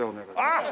あっ！